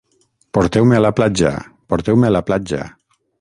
Porteu-me a la platja, porteu-me a la platja...